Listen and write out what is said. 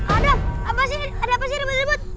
adam apa sih ada apa sih ada benda benda